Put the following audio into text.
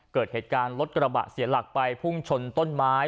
เกิดเหตุการณ์รถกระบะเสียหลักไปพุ่งชนต้นไม้